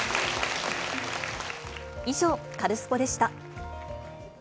以上、カルスポっ！でした。